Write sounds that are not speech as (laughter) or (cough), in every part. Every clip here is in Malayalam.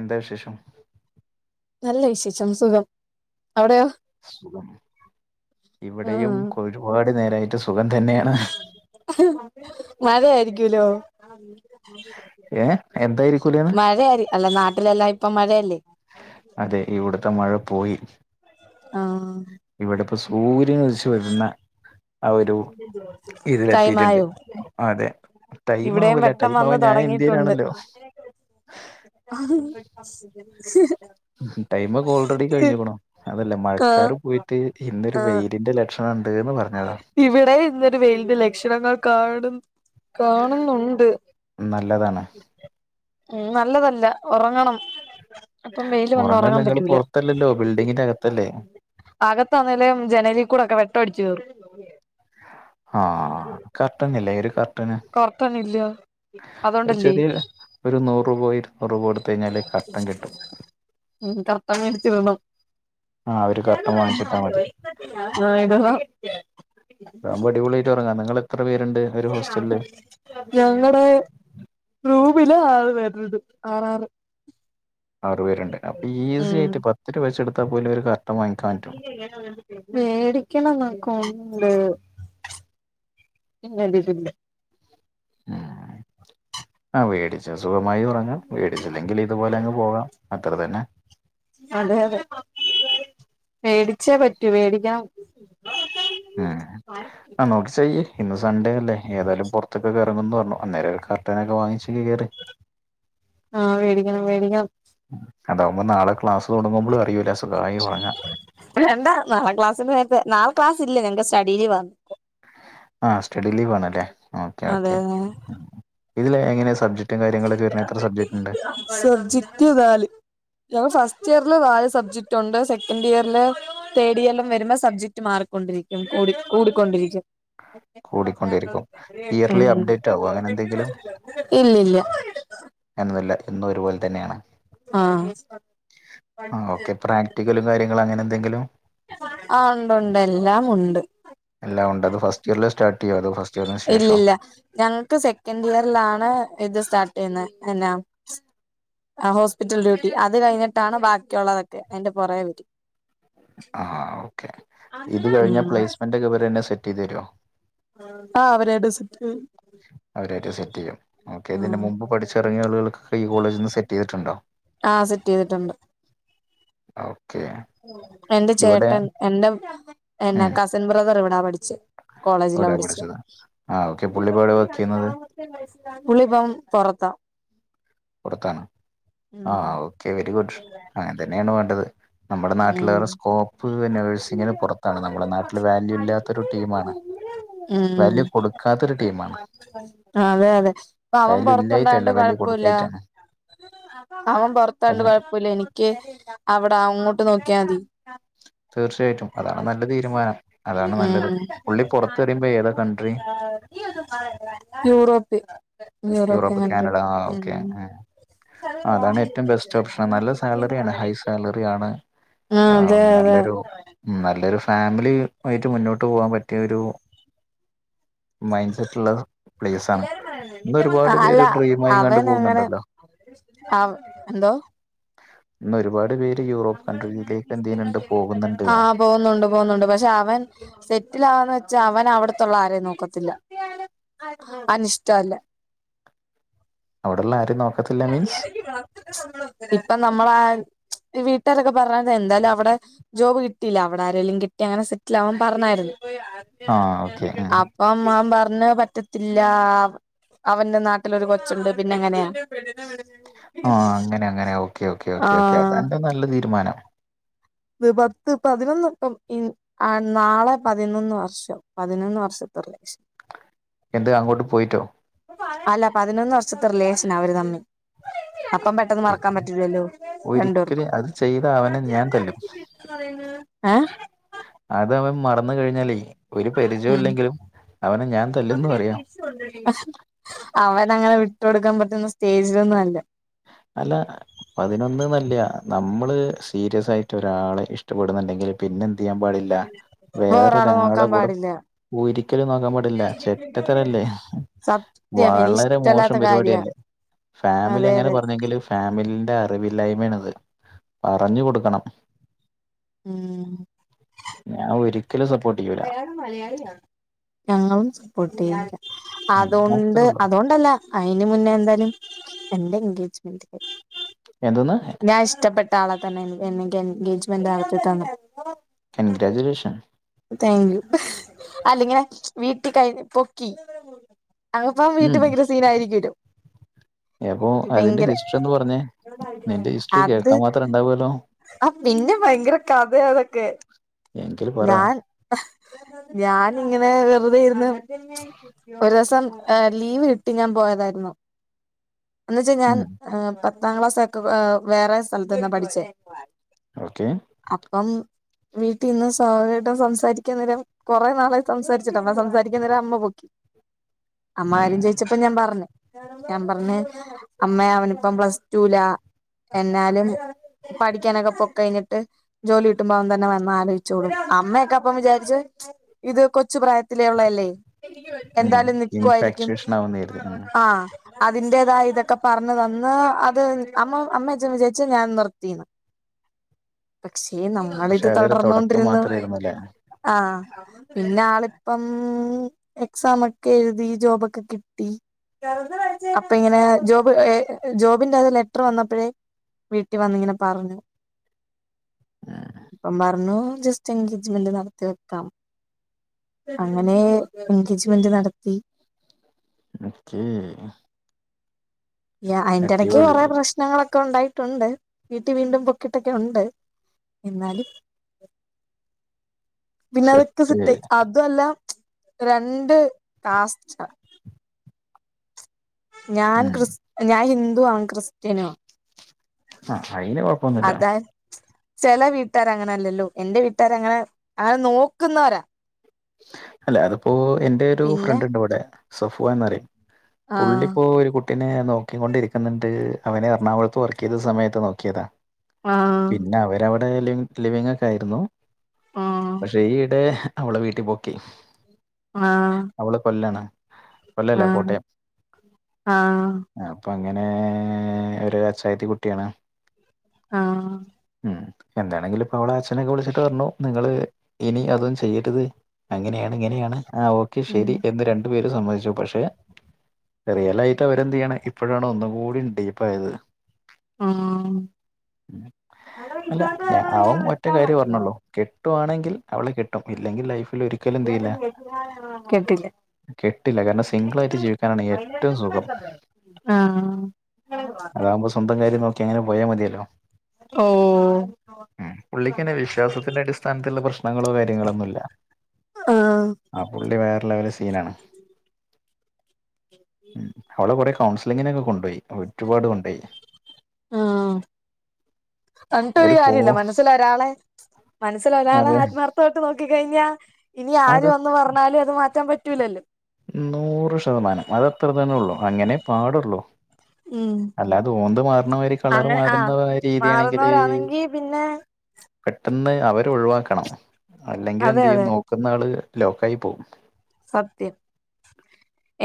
എന്താ വ്ശേഷം? നല്ല വിശേഷം സുഖം. അവിടെയോ സുഖം. ഇവിടെയും ആഹ് കൊരുപാട് നേരായിട്ട് സുഖം തന്നെയാണ്. മഴ ആയിരിക്കൂലോ ഏ എന്തായിരിക്കൂലേന്ന് മഴയായി അല്ല നാട്ടിലെല്ലാം ഇപ്പ മഴയല്ലേ അതെ ഇവിടുത്തെ മഴ പോയി. ആഹ് ഇവടെപ്പോ സൂര്യനുദിച്ച് വരുന്ന അവരും ഇതിലെത്തിയിട്ടുണ്ട് അതെ. ടൈം ഇവിടേം ആവൂല വെട്ടം ടൈം വന്ന് ആവാൻ ഞാൻ തൊടങ്ങിട്ടുണ്ട്. ഇന്ത്യയിലാണല്ലോ ആഹ് ടൈമൊക്കെ ഓൾറെഡി കഴിഞ്ഞക്കണണം അതല്ല മഴക്കാർ പോയിട്ട് ഇന്നൊരു വെയിലിന്റെ ലക്ഷണം (unintelligible) ന്ത് ന്ന് പറഞ്ഞതാ ഇവിടെ ഇന്നൊരു വെലിന്റെ ലക്ഷണങ്ങൾ കാണ്ന്ന് കാണുന്നുണ്ട്. നല്ലതാണ് ഉം നല്ലതല്ല ഒറങ്ങണം അപ്പം വെയില് വന്ന ഉറങ്ങാൻ നിങ്ങൾ പറ്റൂല പുറത്തല്ലല്ലോ ബിൽഡിങ്ങിന്റെ അകത്തല്ലേ അകത്തന്നിലേം ജനലി കൂടൊക്കെ വെട്ടടിച്ചു കേറും ആഹ് കർട്ടന്നില്ലേ ഒര് കർ കൊർക്കണില്ലാ ഒരു അതൊണ്ടല്ലേ ചെറിയ ഒരു നൂറൂപോയ് ഇരുന്നൂറ് രൂപോടുത്ത് കഴിഞ്ഞാല് കർട്ടൻ കിട്ടും. ഉം കത്താങ്ങ അടച്ചു ന്നൊ ആഹ് ഒരു കർട്ടൻ വാങ്ങിച്ചിട്ടാ മതി (unintelligible) ആയിൻ്റതാ അപ്പൊ അടിപൊളിയായിട്ട് ഉറങ്ങാ നിങ്ങള് എത്ര പേരുണ്ട് ഒരു ഹോസ്റ്റലില് ഞങ്ങടെ റൂമില് ആറ് പേര്ണ്ട് ആറാറ് ആറുപേരുണ്ട് അപ്പ ഈസി ഉം ആയിട്ട് പത്ത് രൂപ വെച്ചെടുത്താൽ പോല ഒരു വാങ്ങിക്കാൻ പറ്റും ക്കി ചെയ്യലാണ് വേടിക്കണന്നൊക്കൊണ്ട് ഇന്നെഴ്തിട്ടില്ല ആഹ ആ മേടിച്ച സുഖമായി ഉറങ്ങാം മേടിച്ചില്ലെങ്കിൽ ഇതുപോലെ അങ്ങ് പോകാം അത്ര തന്നെ അതെയതെ വേടിച്ചേ പറ്റൂ വേടിക്കണം. ആഹ്, അണ്ണോക്സ്സെയ്യ് ഇന്ന് സൺഡേ അല്ലേ ഏതായാലും പുറത്തൊക്കെ കറ പറഞ്ഞുന്നേരം അന്നേരം കർട്ടനൊക്കെ വാങ്ങിച്ചി കയറി ആഹ് വേടിക്കണം വേടിക അതാവുമ്പോ നാളെ ക്ലാസ് തുടങ്ങുമ്പോളും അറീല്ല സുഖായി ഒറങ്ങാ രണ്ടാണ് നാലാം ക്ലാസിന്ന് നേരത്തെ നാളെ ക്ലാസ്ല്ല്ല ഞങ്ങ്ക്ക് സ്റ്റഡി ലീവാന്ന് ആഹ് സ്റ്റഡി ലീവാണല്ലേ. ഓക്കെ അതെ ഓക്കെ ഇതില് എങ്ങനെ സബ്ജറ്റും കാര്യങ്ങളൊക്കെ വരുണ് എത്ര സബ്ജറ്റുണ്ട്? സബ്ജക്റ്റ് വാല് ഞങ്ങള് ഫസ്റ്റ് ഇയറില് വാല് സബ്ജക്റ്റ് ഉണ്ട് സെക്കൻഡ് ഇയറില് തേടിയെല്ലാം വരുമ്പോ സബ്ജക്ട് മാറക്കൊണ്ടിരിക്കും, കൂടി കൂടിക്കൊണ്ടിരിക്കും. കൂടിക്കൊണ്ടിരിക്കും (unintelligible) ഇയർലി ഉം അപ്ഡേറ്റ് ആവോ അങ്ങനെ എന്തെങ്കിലും ഇല്ലില്ല എന്ന എന്നും ഒരുപോലെ തന്നെയാണ് ആഹ് ഓ റ്റിക്കലും കാരൃങ്ങള് അങ്ങനെന്തെങ്കിലും ആഹ് ഉണ്ടുണ്ട് എല്ലാം ഉണ്ട്. എല്ലാം ഉണ്ട്. അത് ഫസ്റ്റിയർലേ സ്റ്റാർട്ടെയ്യൂ അത് ഫസ് ഇല്ലല്ല ഞങ്ങ്ക്ക് സെക്കൻഡി യർലാണ് ഇത് സ്റ്റാർട്ട് ചെയ്ന്ന് എനാ ആഹോസ്പിറ്റൽ ഡ്യൂട്ടി അത് കഴിഞ്ഞിട്ടാണ് ബാക്കിയുള്ളതൊക്കെ അതിന്റെ പുറേപരി ആ അല്ല ഉം അൻ്റെ കൂബിലെന്നെ സെറ്റീതേരോ? ആ അവര എടുസിട്ട് അവരായിട്ട് സെറ്റ് ചെയ്യും. ഓക്കെ, ഇതിന് ആഹ് മുമ്പ് പഠിച്ചിറങ്ങിയ ആളുകൾക്കൊക്കെ ഈ കോളേജി ന്ന് സെറ്റ് ചെയ്തിട്ടുണ്ടോ ആഹ സെറ്റ് ചെയ്തിട്ടുണ്ട് ഓക്കേ എന്റെ ചേട്ടൻ എന്റെ എന്നെ ഉം കസിൻ ബ്രദർ ഇവിടാ പഠിച്ച കോളേജില ഇവിടെ പഠിച്ചേ പഠിച്ചത് ആ ഓക്കെ പുള്ളിപ്പോ എവിടെ വർക്ക് ചെയ്യുന്നത് ഇരുപത്തിരണ്ടാമത് സ്‌കൂളിൽ പോവാൻ പുറത്താ പുറത്താണ്. ഉം ആഹ് അ ഓക്കെ വെരി ഗുഡ് അങ്ങനെ തന്നേണ് വേണ്ടത്. നമ്മുടെ നാട്ടിൽ ഉം വേറെ സ്കോപ്പ് നഴ്സിങ്ങിന് പുറത്താണ് നമ്മുടെ നാട്ടിൽ വാല്യൂ ഇല്ലാത്ത ഒരു ടീമാണ് (unintelligible) ഉം വാല്യൂ (unintelligible) കൊടുക്കാത്തൊരു ടീമാണ് അഹ്‌ അതെ അതെ അപ്പ അവൻ വാല്യൂ പുറത്തണ്ടായണ്ട് ഇല്ലായിട്ടല്ല വാല്യൂ കുഴപ്പല്ല കൊടുക്കായിട്ടാണ് ല്ല അവൻ പൊറത്തായോണ്ട് അത് കുഴപ്പുല്ല എനിക്ക് അവിടെ അങ്ങോട്ട് ഇട്ട് നോക്കിയാൽ മതി തീർച്ചയായിട്ടും അതാണ് നല്ല തീരുമാനം ഉം അതാണ് നല്ലത് പുള്ളി പുറത്ത് പറയുമ്പോ ഏതാ country (unintelligible) യൂറോപി European Europe country Canada ആ ഓക്കെ അതാണ് ഏറ്റവും ബെസ്റ്റ് ഓപ്ഷൻ നല്ല സാലറിയാണ് ഹൈ സാലറി ആണ് ആ ആഹ് അതെ അതെ നല്ലൊരു നല്ലൊരു ഫാമിലി ആയിട്ട് മുന്നോട്ട് പോകാൻ പറ്റിയ ഒരു മൈൻഡ് സെറ്റ് ഉള്ള പ്ലേസ് ആണ് എല്ലാരും പറയുന്നത് ഇന്ന് നിന്റെ ഒരുപാട് പേര് ഡ്രീം ആയിങ്ങാണ്ടു പോകുന്നുണ്ടല്ലോ ആഹ് എന്തോ? ഇന്ന് ഒരുപാട് പേര് യൂറോപ്പ് കൺട്രിയിലേ ആഹ് പോകുന്നുണ്ട് പോകുന്നുണ്ട്. പക്ഷെ അവൻ സെറ്റിൽ ആവാന്ന് വെച്ചാ അവൻ അവിടത്തുള്ള ആരേം നോക്കത്തില്ല. അനിഷ്ട അല്ലെ അവിടെള്ളെ ആരും നോ മര്യാദക്ക് വാ ഇപ്പൊ നമ്മളാ വീട്ടുകാരൊക്കെ പറഞ്ഞത് എന്തായാലും അവടെ ജോബ് കിട്ടിയില്ല അവിടെ ആരേലും കിട്ടിയ അങ്ങനെ സെറ്റിൽ ആവാൻ പറഞ്ഞായിരുന്നു. ആഹ് ഓക്കെ (unintelligible) അ അപ്പൊ മ്മാവൻ പറഞ് പറ്റത്തില്ലാ. അവന്റെ നാട്ടിലൊരു കൊച്ചുണ്ട് പിന്നെ എങ്ങനെയാ പെണ്ണിന്റെ (unintelligible) ആ അങ്ങനെ അങ്ങനെ ഓക്കെ ഓക്കേ ഓക്കേ ഓക്കേ ആ തന്റെ നല്ല തീരുമാനം ത് പത്ത് പതിനൊന്ന് വട്ടം ൻ ആഹ് നാളെ പതിനൊന്ന് വർഷം പതിനൊന്ന് വർഷത്തെ റിലേഷൻ എന്ത് അങ്ങോട്ട് പോയിട്ടോ അല്ല പതിനൊന്ന് വർഷത്തെ റിലേഷനാ അവര് തമ്മി അപ്പം പെട്ടെന്ന് പി- മറക്കാൻ പറ്റൂലല്ലോ രണ്ട് പേർക്കും ഒരിക്കലും അത് ചെയ്ത അവനെ ഞാൻ തല്ലും (unintelligible) ഏഹ് അത് അവൻ മറന്ന് കഴിഞ്ഞാലേ ഒരു പരിചയം ഉം ഇല്ലെങ്കിലും അവനെ ഞാൻ തല്ലുംന്ന് പറയാ അവന് അങ്ങനെ വിട്ടൊടുക്കാൻ പറ്റുന്ന സ്റ്റേജിലൊന്നും അല്ല അല്ല പ്പ അതിനൊന്നന്നല്ല നമ്മള് സീരിയസ് ആയിട്ട് ഒരാളെ ഇഷ്ടപ്പെടുന്നുണ്ടെങ്കില് പിന്നെ എന്ത് ചെയ്യാൻ പാടില്ല വേറൊരാളെ നോക്കാൻ കൂടെ പാടില്ല ഒരിക്കലും നോക്കാൻ പാടില്ല ചെറ്റത്തരല്ലേ സത്യം വളരെ മോശം എനിക്കിഷ്ടല്ലാത്ത കാര്യ പരിപാടിയല്ലേ ഫാമിലി അതെ അങ്ങനെ അതെ പറഞ്ഞ ങ്കില്ല് ഫാമിലിന്റെ അറിവില്ലായ്മ ആണത് പറഞ്ഞു കൊടുക്കണം ഉം ഞാൻ ഒരിക്കലും സപ്പോർട്ട് ചെയ്യു അയാള് മലയാളിയാ. ഞങ്ങളും സപ്പോർട്ട് ചെയ് ഉം അതുകൊണ്ട് അത്രേ ഉള്ളൂ അതുകൊണ്ടല്ല അയിന് മുന്നേ എന്തായാലും എന്റെ എൻഗേജ്മെന്റ് ക എന്തോന്ന് ഞാൻ ഇഷ്ട്ടപ്പെട്ട ആളെ തന്നെ എൻക്ക് എൻഗേജ്മെന്റ് ആക്കി തന്നു കൺഗ്രാജുേഷൻ താങ്ക് യു. അല്ലങ്ങനെ വീട്ടിൽ കഴിഞ് പൊക്കി (unintelligible) അപ്പം വീട്ടിൽ ഉം ഭയങ്കര സീന ആയിരിക്കും രും അപ്പൊ അതിന്റെ ഭയങ്കര ഹിസ്റ്ററി എന്ന് പറഞ്ഞേ നിന്റെ ഹിസ്റ്ററി അത് കേൾക്കാൻ മാത്രം ഉണ്ടാവുമല്ലോ ആ പിന്നെ ഭയങ്കര കഥയാ അതൊക്കെ എങ്കിൽ പറ ഞാൻ ഞാൻ ഇങ്ങനെ വെറുതെയിരുന്ന് ഒരു ദിവസം ലീവ് കിട്ടി ഞാൻ പോയതായിരുന്നു എന്ന് വച്ചാ ഞാൻ ഉം പത്താം ക്ലാസ്ക്കെ വേറെ സ്ഥലത്ത്ന്നാ പഠിച്ചേ ഓക്കേ അപ്പം വീട്ടീന്ന് തായിട്ട് സംസാരിക്കാൻ നേരം, കൊറെ നാളായി സംസാരിച്ചിട്ട്. അപ്പം സംസാരിക്കുന്നേരം അമ്മ പൊക്കി. അമ്മകാരം ചോയിച്ചപ്പ ഞാൻ പറഞ്ഞു ഞാൻ പറഞ്ഞ് അമ്മേ അവനിപ്പം പ്ലസ്ടൂലാ എന്നാലും പഠിക്കാനൊക്കെ പൊ കഴിഞ്ഞിട്ട് ജോലി കിട്ടുമ്പോ അവൻ തന്നെ വന്നാലോചിച്ചു അമ്മയൊക്കെ അപ്പം വിചാരിച്ച് ഇത് കൊച്ചു പ്രായത്തിലേ ഉള്ളല്ലേ എന്താലും നിക്കുവായിരിക്കും ഇൻഫാക്ച്വേഷൻ ആവുന്ന കരുതി ഉം. ആഹ് അതിന്റേതായ ഇതൊക്കെ പറഞ്ഞ് തന്ന് അത് അമ്മ അമ്മയേം അച്ഛനും ഞാൻ വിചാർച്ചു ഞാൻ നിർത്തിന്ന് പക്ഷേ പക്ഷെ നമ്മളിത് അതൊരു തുടക്കം തൊടർന്നൊണ്ടിരുന്നു മാത്രമായിരുന്നു അല്ലേ ആഹ പിന്നെ ആളിപ്പം എക്സാം ഒക്കെ എഴുതി ജോബൊക്കെ കിട്ടി അപ്പ ഇങ്ങനെ, ജോബ് ജോബിന്റെ അത് ലെറ്റർ വന്നപ്പോഴേ വീട്ടിൽ വന്നിങ്ങനെ പറഞ്ഞു ഇപ്പം പറഞ്ഞു ജസ്റ്റ് എൻഗേജ്മെന്റ് നടത്തി വെക്കാം അങ്ങനെ എൻഗേജ്മെന്റ് നടത്തി ഓക്കേ യാ അയിന്റെ ഇടക്ക് അടിപൊളി കൊറെ പ്രശ്നങ്ങളൊക്കെ ഉണ്ടായിട്ടുണ്ട് വീട്ടിൽ വീണ്ടും പൊക്കിട്ടൊക്കെ ഉണ്ട്. എന്നാലും പിന്നെ അതൊക്കെ സെറ്റ് സെറ്റായി. അതൊല്ല രണ്ട് കാസ്റ്റാ. ഞാൻ ഉം ക്രിസ് ഞാൻ ഹിന്ദുവും അവൻ ക്രിസ്ത്യനുംആ ആ അയിന് കൊഴപ്പൊന്നുല്ല ചെില വീട്ടുകർ അങ്ങന അല്ലല്ലോ എന്റെ വീട്ടുകാര അങ്ങനെ അങ്ങനെ നോക്കുന്നവരാ അല്ല അതിപ്പോ എന്റെയൊരു പിന്നെ ഫ്രണ്ട്ണ്ട് ഇവിടെ സഫുവാൻ ന്നറിം ആ പുള്ളിപ്പോ ഒരു കു പിന്നെ ഞ നോക്കിക്കൊണ്ടിരിക്കുന്നുണ്ട് അവനെ എറണാകുളത്ത് വർക്ക് ചെയ്ത സമയത്ത് നോക്കിയതാ ആ പിന്നെ അവര് റ്റവിടെ ലിം ലിവിംഗക്കെ ആയിരുന്നു. ആ പക്ഷെ ഈ ഇടെ അവളെ വീട്ടീ ട്ടിപൊക്കി ആഹ് അവള് കൊല്ലാണ് കൊല്ലല്ല കോട്ടയം ആ അപ്പൊ അങ്ങനേ ഒര് അച്ചായത്തി കുട്ടിയാണ് ആഹ് ഉം എന്താണെങ്കിലും ഇപ്പൊ അവളെ അച്ഛനൊക്കെ വിളിച്ചിട്ട് പറഞ്ഞു നിങ്ങള് ഇനി അതും ചെയ്യര്ത് അങ്ങനെയാണ്, ഇങ്ങനെയാണ് ആഹ് ഓക്കെ ഉം ശെരി എന്ന് രണ്ടു പേരും സമ്മതിച്ചു. പക്ഷേ റിയലായിട്ട് അവരെന്ത് ചെയ്യാണ് ഇപ്പോഴാണ് ഒന്നും കൂടി ഡീപ്പ് ആയത് ഉം അല്ല അവൻ ഒറ്റ കാര്യേ പറഞ്ഞൊള്ളൂ കെട്ടുവാണെങ്കിൽ അവളെ കെട്ടും ഇല്ലെങ്കിൽ ലൈഫിൽ ഒരി (inaudible) കെട്ടില്ല കെട്ടില്ല കാരണം സിംഗിളാ ആയിട്ട് ജീവിക്കാനാണ് ഏറ്റവും സുഖം ആ അതാവുമ്പോ സ്വന്തം കാര്യം നോക്കി അങ്ങനെ പോയാ മതിയല്ലോ ഓ ആ ഉം പുള്ളിക്ക്ന്നെ വിശ്വാസത്തിന്റെ അടിസ്ഥാനത്തിലുള്ള പ്രശ്നങ്ങളോ കാര്യങ്ങളോ ഒന്നുല്ല. ആ പുള്ളി വേറെ ലെവല് സീനാണ് മ് അവളെ കൊറേ കൗൺസിലിങ്ങിനൊക്കെ കൊണ്ടുപോയി ഒരുപാട് കൊണ്ടുപോയി ആഹ എന്നിട്ടരു ഒരു ഫോ കാര്യേല്ല മനസ്സൽ ഒരാളെ മനസ്സൽ ഒരാളെ അതെ ആത്മാ പുറത്തോട്ട് നോക്കി കഴിഞ്ഞാൽ ഇനി അത് ആരുവന്ന് പറഞ്ഞാലും അത് മാറ്റാൻ പറ്റൂലല്ലോ നൂറ് ശതമാനം അത് അത്ര തന്നെ ഒള്ളു അങ്ങനെ പാടുള്ളൂ ഉം അല്ലാത ഓന്ത് മാറണ മാരി കളർ അങ്ങനെ ആഹ് മാറുന്ന രീതിയാണെങ്കില് മാറുന്നവരാണെങ്കി പിന്നെ പെട്ടെന്ന് അവര് ഒഴിവാക്കണം അല്ലെങ്കിൽ അതെ എന്ത് ചെയ്യും അതെ നോ ക്കുന്നാള് ലോക്കായി പോവും. സത്യം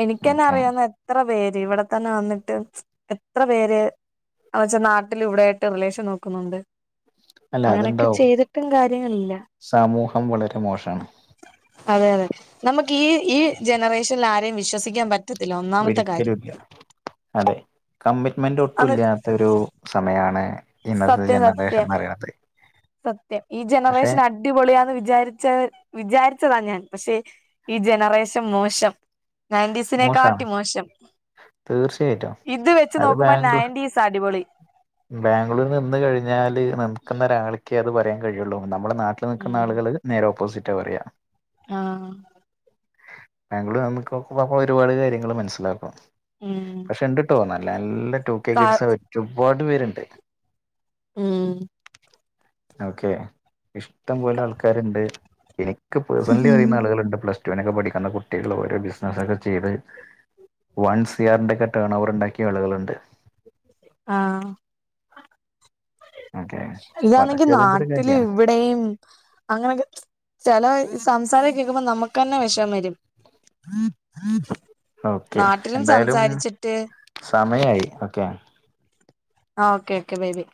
എനിക്കന്നെ ഓക്കെ അറിയാവ്ന്ന എത്ര പേര് ഇവിടെ തന്നെ വന്നിട്ട് എത്ര പേര് അവെച്ചാ നാട്ടില് വിടെയായിട്ട് റിലേഷൻ നോക്കുന്നുണ്ട്. അല്ല അങ്ങനെക്കെ അതുണ്ടാവും ചെയ്തിട്ടും കാര്യങ്ങളില്ല. സമൂഹം വളരെ മോശമാണ് അതെ അതെ നമ്മക്കീ ഈ ജനറേഷൻലാരേം വിശ്വസിക്കാൻ പറ്റ ഒരിക്കലുല്ല അതെ കമ്മിറ്റ്മെന്റ് അത് ഒട്ടുല്ലാത്തൊരു. സമയാണ് ഇന്നത്തെ ജനറേഷൻ എന്ന് പറയണത് സത്യ ഈ ജനറേഷൻ അഡ അടിപൊളിയാന്ന് വിചാരിച്ച വിചാരിച്ചതാ ഞാൻ പക്ഷേ ഈ ജനറേഷൻ മോശം നയന്റീസിനെ മോശമാണ് കാട്ടി മോശം തീർച്ചയായിട്ടും ഇത് വെച്ച് നോക്കുമ്പോ നയൻറ്റീസാ അടിപൊളി ബാംഗ്ലൂര് നിന്ന് കഴിഞ്ഞാല് നമുക്കെന്നൊരാൾക്കെ അത് പറയാൻ കഴിയുള്ളൂ നമ്മുടെ നാട് നിൽക്കുന്ന ഉം ആളുകൾ നേരെ ഓപ്പോസിറ്റ പറയ. ആഹ്. ബാംഗ്ലൂർ നമുക്ക് ഒരുപാട് കാര്യങ്ങള് മനസ്സിലാക്കും ഉം പക്ഷെ ണ്ട്ട്ടോ നല്ല നല്ല ടു കെ കാ കിഡ്സ് ഒരുപാട് പേരുണ്ട്. ഉം. ഓക്കെ ഇഷ്ടംപോലെ ആൾക്കാരുണ്ട് ഇനിക്ക് പേഴ്സൺലി അറിയുന്ന ആളുകള്ണ്ട് പ്ലസ് ടു നൊക്കെ പഠിക്കുന്ന കുട്ടികള് ഓരോ ബിസ് അധോക്കെ ചെയ്ത് വൺ സിയാറിന്റെ ഒക്കെ ടേൺ ഓവർ ഉണ്ടാക്കിയ ആളുകളുണ്ട് ആഹ്. ഓക്കെ അപ്പൊ ഇതാണെങ്കി അതൊക്കെ അതിന്റെ ഒരു നാട്ടില് കാര്യാണ് ഇവി യും അങ്ങനെയൊക്കെ ചില സംസാരം കേക്കുമ്പോ നമുക്ക് തന്നെ വിഷമം വരും (inaudible) ഓക്കെ നാട്ടിലും എന്തായാലും സംസാരിച്ചിട്ട് സമയായി ഓക്കെ ആ കേക്കണേന്